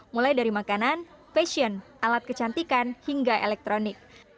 mulai dari makanan fashion alat kecantikan hingga elektronik